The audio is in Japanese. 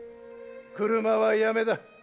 車はやめだ。